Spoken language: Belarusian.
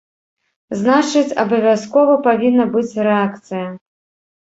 Значыць, абавязкова павінна быць рэакцыя.